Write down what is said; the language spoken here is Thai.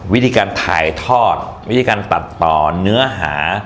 วิธีการถ่ายทอดวิธีการตัดต่อเนื้อหา